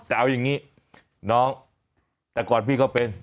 แต่เอาอย่างนี้น้องแต่ก่อนพี่ก็เป็น